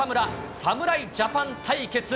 侍ジャパン対決。